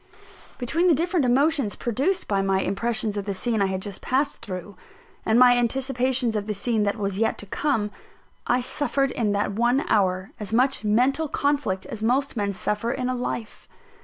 Between the different emotions produced by my impressions of the scene I had just passed through, and my anticipations of the scene that was yet to come, I suffered in that one hour as much mental conflict as most men suffer in a life.